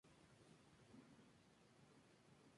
Ahora vive en Curitiba, Brasil.